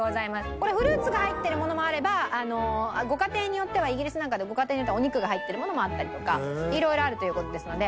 これフルーツが入っているものもあればご家庭によってはイギリスなんかではご家庭によってはお肉が入っているものもあったりとか色々あるという事ですので。